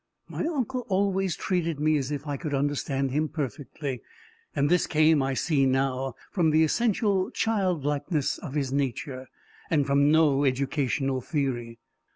My uncle always treated me as if I could understand him perfectly. This came, I see now, from the essential childlikeness of his nature, and from no educational theory.